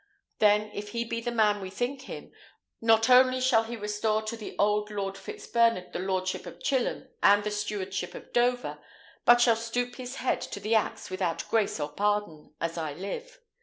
Then, if he be the man we think him, not only shall he restore to the old Lord Fitzbernard the lordship of Chilham and the stewardship of Dover, but shall stoop his head to the axe without grace or pardon, as I live.